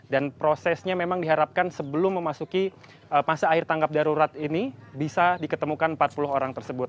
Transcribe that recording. dan prosesnya memang diharapkan sebelum memasuki masa akhir tanggap darurat ini bisa diketemukan empat puluh orang tersebut